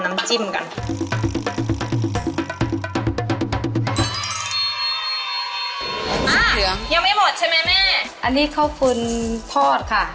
น้ำจิ้มก็ไม่เหมือนค่ะ